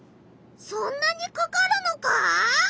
そんなにかかるのか！？